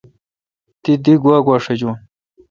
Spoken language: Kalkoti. تی دی گوا گوا شجون۔